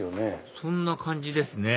そんな感じですね